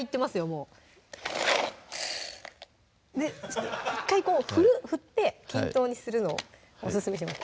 もう１回こう振って均等にするのをオススメします